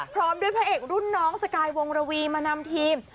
พร้อมด้วยพระเอกรุ่นน้องสกายวงระวีมานำทีม